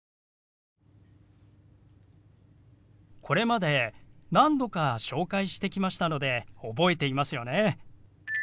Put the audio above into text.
これまで何度か紹介してきましたので覚えていますよね？